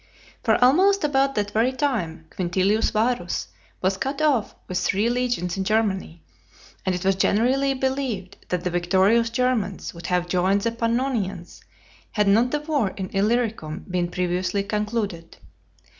For almost about that very time Quintilius Varus was cut off with three legions in Germany; and it was generally believed that the victorious Germans would have joined the Pannonians, had not the war of Illyricum been previously concluded.